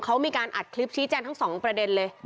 เขามีการอัดคลิปชี้แจงทั้งสองประเด็นเลย